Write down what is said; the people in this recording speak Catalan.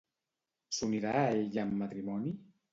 S'unirà a ella en matrimoni?